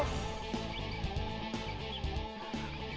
ปรึก